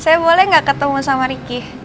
sus saya boleh gak ketemu sama riki